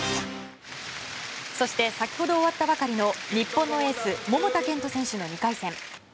先ほど終わったばかりの日本のエース桃田賢斗選手の２回戦。